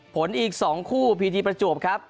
ผลอีก๒คู่พีทีประจวบครับ